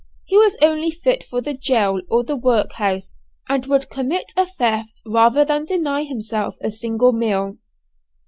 He was only fit for the jail or the workhouse, and would commit a theft rather than deny himself a single meal."